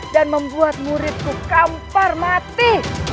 dan membuat muridku kampar mati